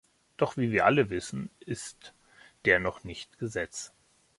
Doch wie wir alle wissen, ist der noch nicht Gesetz.